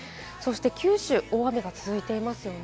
九州、大雨が続いていますよね。